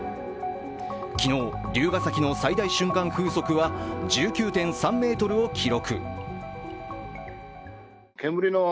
昨日、龍ケ崎の最大瞬間風速は１９．３メートルを記録。